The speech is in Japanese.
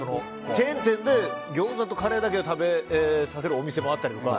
チェーン店でギョーザとカレーだけは食べさせるお店があったりとか。